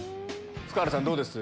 福原さんどうです？